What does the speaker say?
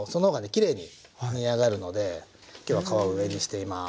きれいに煮上がるので今日は皮を上にしています。